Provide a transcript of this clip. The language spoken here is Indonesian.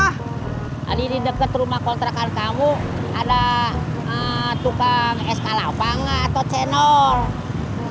tadi di deket rumah kontrakan kamu ada tukang es kalapangga atau cenok